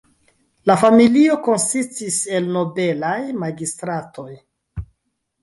Lia familio konsistis el nobelaj magistratoj.